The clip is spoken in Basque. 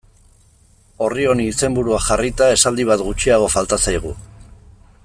Orri honi izenburua jarrita, esaldi bat gutxiago falta zaigu.